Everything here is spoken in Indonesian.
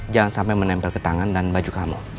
jangan sampai menempel ke tangan dan baju kamu